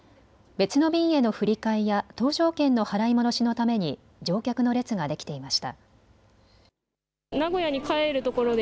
別の便への振り替えや搭乗券の払い戻しのために乗客の列ができていました。